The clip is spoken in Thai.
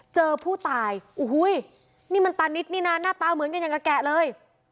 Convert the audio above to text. เจอผู้ตายโอ้โหนี่มันตานิดนี่นะหน้าตาเหมือนกันอย่างกับแกะเลย